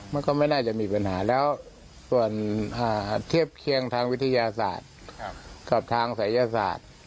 มันก็ไม่น่าจะมีปัญหาแล้วส่วนเทียบเคียงทางวิทยาศาสตร์กับทางศัยศาสตร์